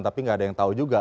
tapi nggak ada yang tahu juga